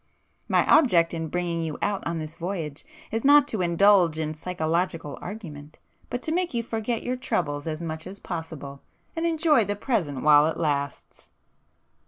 My object in bringing you out on this voyage is not to indulge in psychological argument, but to make you forget your troubles as much as possible, and enjoy the present while it lasts."